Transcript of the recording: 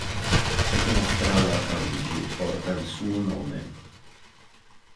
Una strada a Parigi porta il suo nome.